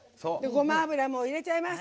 ごま油も入れちゃいます。